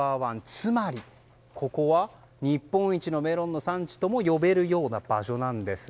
つまり、ここは日本一のメロンの産地とも呼べるような場所なんです。